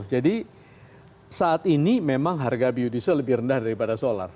jadi saat ini memang harga biodiesel lebih rendah daripada solar